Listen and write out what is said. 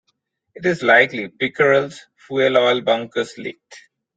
It is likely "Pickerel"s fuel oil bunkers leaked.